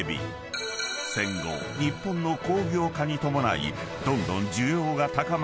［戦後日本の工業化に伴いどんどん］